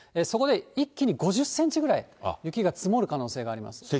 そこで一気に５０センチぐらい雪が積もる可能性があります。